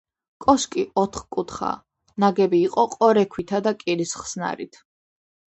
კოშკი ოთხკუთხაა, ნაგები იყო ყორე ქვითა და კირის ხსნარით.